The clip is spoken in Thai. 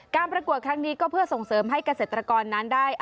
ประกวดครั้งนี้ก็เพื่อส่งเสริมให้เกษตรกรนั้นได้